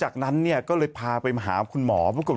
ครับผม